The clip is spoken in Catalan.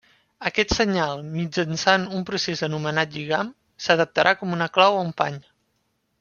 Aquest senyal, mitjançant un procés anomenat lligam, s'adaptarà com una clau a un pany.